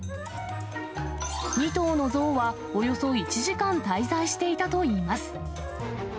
２頭のゾウはおよそ１時間滞在していたといいます。